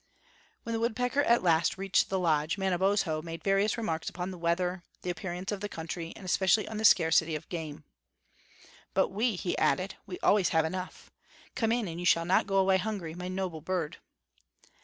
When the woodpecker at last reached the lodge, Manabozho made various remarks upon the weather, the appearance of the country, and especially on the scarcity of game. "But we," he added, "we always have enough. Come in, and you shall not go away hungry, my noble bird!"